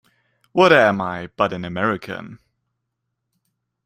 What am I but an American?